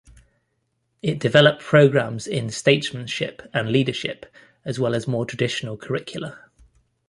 It developed programs in statesmanship and leadership, as well as more traditional curricula.